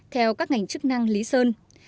theo các ngành chức năng lý sơn